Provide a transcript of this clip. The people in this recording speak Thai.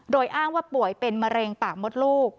โดยอ้างว่าป่วยเป็นมะเร็งปากมดลูก